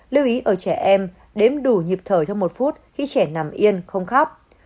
lưu ý ở trẻ em đếm đủ nhịp thở trong một phút khi trẻ nằm yên không khóc